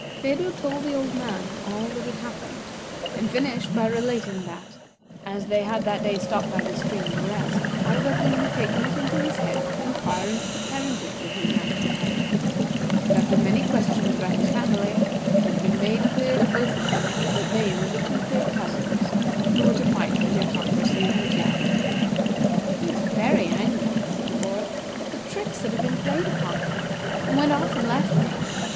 Phedo told the old man all that had happened, and finished by relating that, as they had that day stopped by this stream to rest, Alberdin had taken it into his head to inquire into the parentage of his young companion; and after many questions about his family, it had been made clear to both of them that they were the two third cousins who were to fight for the Autocracy of Mutjado. "He is very angry," said the boy, "at the tricks that have been played upon him, and went off and left me.